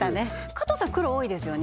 加藤さん黒多いですよね